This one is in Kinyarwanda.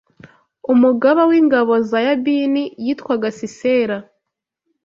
Umugaba w’ingabo za Yabini yitwaga Sisera